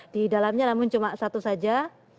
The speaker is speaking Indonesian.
di dalamnya namun cuma satu saja